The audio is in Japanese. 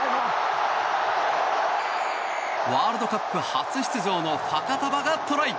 ワールドカップ初出場のファカタヴァがトライ。